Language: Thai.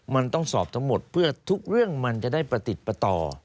มันต้องสอบทั้งหมดเพื่อทุกเรื่องมันจะได้ประติดประต่อ